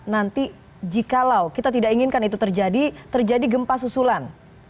nanti jikalau kita tidak inginkan itu terjadi terjadi gempa susulan